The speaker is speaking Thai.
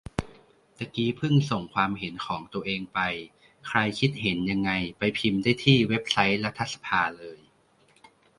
ตะกี้เพิ่งส่งความเห็นของตัวเองไป ใครคิดเห็นยังไง ไปพิมพ์ได้ที่เว็บไซต์รัฐสภาเลย